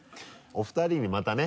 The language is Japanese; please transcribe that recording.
お２人にまたね